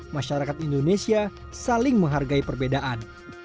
masyarakat indonesia saling menghargai perbedaan